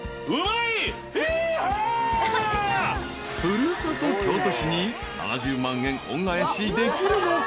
［古里京都市に７０万円恩返しできるのか？］